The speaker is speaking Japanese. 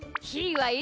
はい！